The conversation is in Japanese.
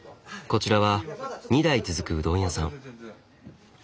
こちらは２代続くうどん屋さん。